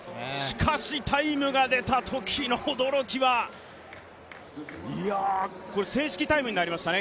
しかしタイムが出たときの驚きはいやあ、正式タイムになりましたね